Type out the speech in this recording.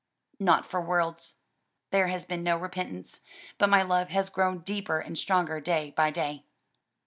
"Not for worlds: there has been no repentance, but my love has grown deeper and stronger day by day."